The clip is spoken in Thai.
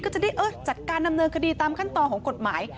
ก็จะได้จัดการดำเนินคดีตามขั้นตอนของกฎหมาย